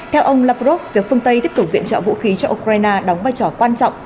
theo ông lavrov việc phương tây tiếp tục viện trợ vũ khí cho ukraine đóng vai trò quan trọng